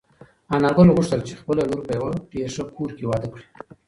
انارګل غوښتل چې خپله لور په یوه ډېر ښه کور کې واده کړي.